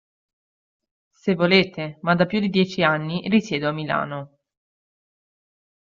Se volete, ma da più di dieci anni risiedo a Milano.